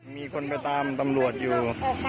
มีคนไปตามตำรวจอยู่